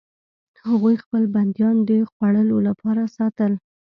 هغوی خپل بندیان د خوړلو لپاره ساتل.